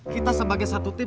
kita sebagai satu tim